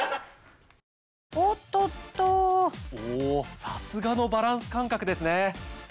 おさすがのバランス感覚ですね。